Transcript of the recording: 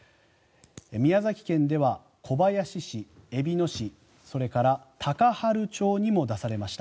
宮崎県では小林市、えびの市それから高原町にも出されました。